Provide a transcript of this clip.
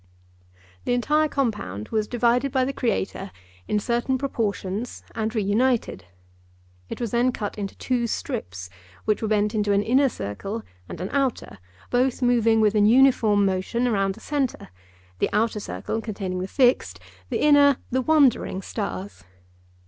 The entire compound was divided by the Creator in certain proportions and reunited; it was then cut into two strips, which were bent into an inner circle and an outer, both moving with an uniform motion around a centre, the outer circle containing the fixed, the inner the wandering stars.